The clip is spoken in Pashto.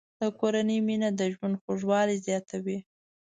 د کورنۍ مینه د ژوند خوږوالی زیاتوي.